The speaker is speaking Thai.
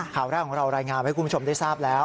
ข่าวแรกของเรารายงานให้คุณผู้ชมได้ทราบแล้ว